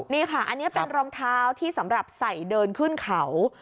นี่ค่ะอันนี้เป็นรองเท้าที่สำหรับใส่เดินขึ้นเขา